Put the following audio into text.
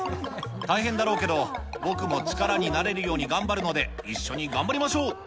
大変だろうけど、僕も力になれるように、頑張るので、一緒に頑張りましょう。